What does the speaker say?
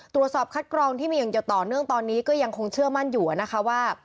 ตรวจสอบคัดกรองที่มีอย่างต่อเนื่องตอนนี้ก็ยังคงเชื่อมั่นอยู่นะคะว่า